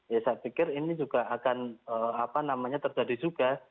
ya saya pikir ini juga akan terjadi juga